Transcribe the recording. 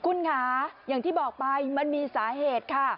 คุณค่ะอย่างที่บอกไปมันมีสาเหตุค่ะ